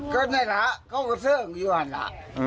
ก็ไม่รักเขาก็เสิร์ฟอยู่หันล่ะ